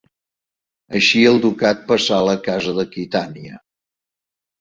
Així el ducat passà la casa d'Aquitània.